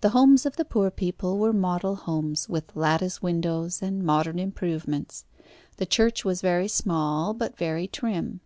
The homes of the poor people were model homes, with lattice windows, and modern improvements. The church was very small, but very trim.